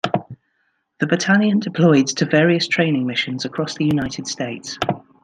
The battalion deployed to various training missions across the United States.